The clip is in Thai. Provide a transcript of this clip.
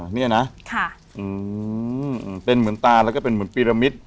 อ๋อเนี่ยนะค่ะอืมเป็นเหมือนตาแล้วก็เป็นเหมือนปีรามิต